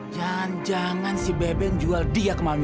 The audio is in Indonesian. jangan jangan si bebe yang jual dia ke mami